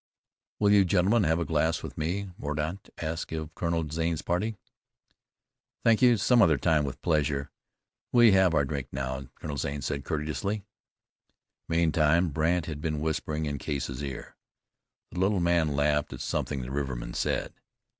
"Will you gentlemen have a glass with me?" Mordaunt asked of Colonel Zane's party. "Thank you, some other time, with pleasure. We have our drink now," Colonel Zane said courteously. Meantime Brandt had been whispering in Case's ear. The little man laughed at something the riverman said.